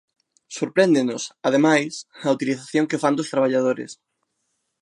Sorpréndenos, ademais, a utilización que fan dos traballadores.